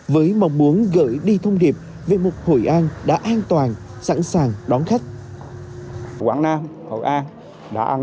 với mong muốn giúp đỡ các bạn